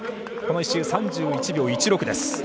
この１周３１秒１６です。